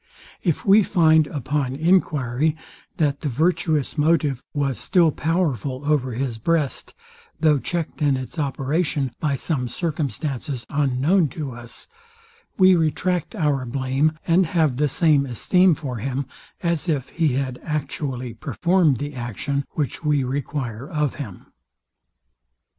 If we find, upon enquiry, that the virtuous motive was still powerful over his breast, though checked in its operation by some circumstances unknown to us, we retract our blame, and have the same esteem for him, as if he had actually performed the action, which we require of him.